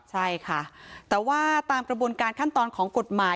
ใช่ค่ะแต่ว่าตามกระบวนการขั้นตอนของกฎหมาย